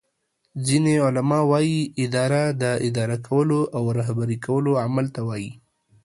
ځینی علما وایې اداره داداره کولو او رهبری کولو عمل ته وایي